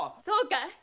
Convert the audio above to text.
そうかい！